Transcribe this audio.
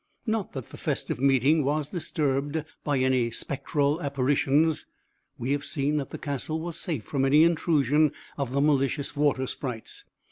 Not that the festive meeting was disturbed by any spectral apparitions: we have seen that the castle was safe from any intrusion of the malicious water sprites.